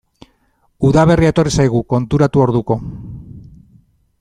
Udaberria etorri zaigu, konturatu orduko.